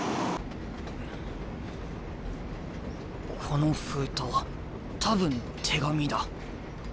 この封筒多分手紙だ。